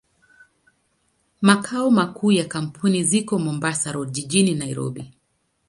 Makao makuu ya kampuni ziko Mombasa Road, jijini Nairobi.